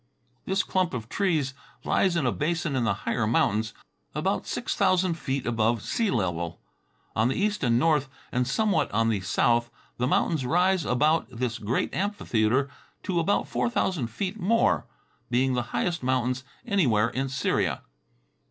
This clump of trees lies in a basin in the higher mountains, about six thousand feet above sea level. On the east and north, and somewhat on the south, the mountains rise about this great amphitheater to about four thousand feet more, being the highest mountains anywhere in Syria.